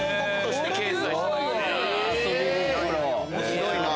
面白いな。